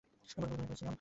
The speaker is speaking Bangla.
ভোরবেলায় ঘুমিয়ে পড়েছিলে।